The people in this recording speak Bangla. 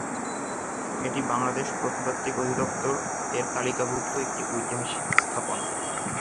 এটি বাংলাদেশ প্রত্নতাত্ত্বিক অধিদপ্তর এর তালিকাভুক্ত একটি ঐতিহাসিক স্থাপনা।